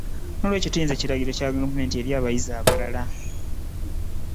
N'olwekyo tulinze kiragiro kya gavumenti eri abayizi abalala